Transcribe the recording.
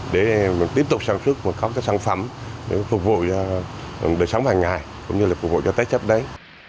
để tiếp tục sản xuất các sản phẩm để phục vụ đời sống hàng ngày cũng như phục vụ cho tết chấp đấy